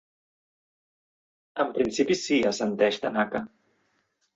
En principi sí —assenteix Tanaka—.